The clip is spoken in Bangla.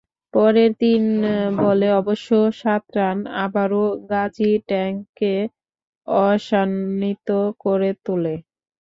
পরের তিন বলে অবশ্য সাত রান আবারও গাজী ট্যাংককে আশান্বিত করে তোলে।